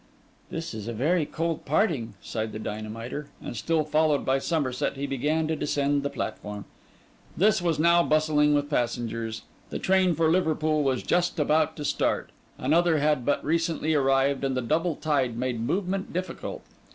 'This is a very cold parting,' sighed the dynamiter; and still followed by Somerset, he began to descend the platform. This was now bustling with passengers; the train for Liverpool was just about to start, another had but recently arrived; and the double tide made movement difficult.